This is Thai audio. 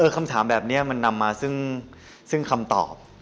คำถามแบบนี้มันนำมาซึ่งคำตอบ